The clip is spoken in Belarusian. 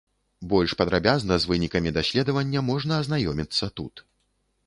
Больш падрабязна з вынікамі даследавання можна азнаёміцца тут.